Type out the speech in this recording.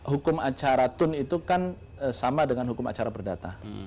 hukum acara tun itu kan sama dengan hukum acara perdata